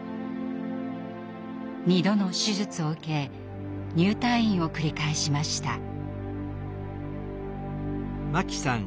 ２度の手術を受け入退院を繰り返しました。